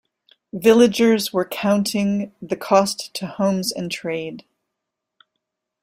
Villagers were counting the cost to homes and trade.